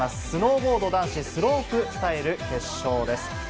スノーボード男子スロープスタイル決勝です。